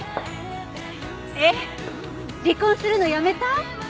えっ離婚するのやめた？